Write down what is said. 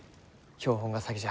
標本が先じゃ。